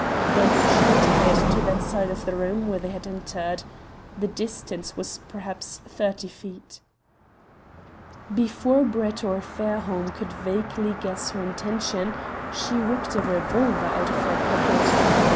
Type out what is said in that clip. Then she retired to that side of the room where they had entered. The distance was perhaps thirty feet. Before Brett or Fairholme could vaguely guess her intention she whipped a revolver out of her pocket.